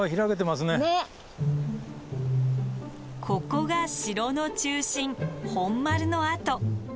ここが城の中心本丸の跡。